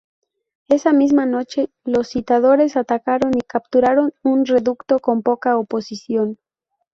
Esa misma noche, los sitiadores atacaron y capturaron un reducto con poca oposición.